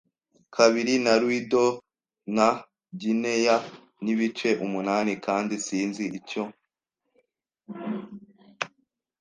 kabiri, na louis d'ors, na gineya, n'ibice umunani, kandi sinzi icyo